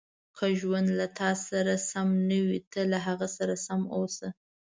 • که ژوند له تا سره سم نه وي، ته له هغه سره سم اوسه.